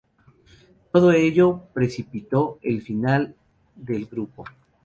Todo ello precipitó el final del grupo.